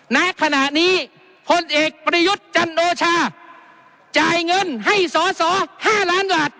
ณขณะนี้พลเอกประยุทธ์จันโอชาจ่ายเงินให้สอสอ๕ล้านบาท